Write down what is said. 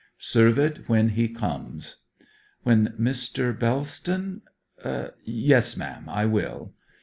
'Serve it when he comes.' 'When Mr. Bellston yes, ma'am, I will.'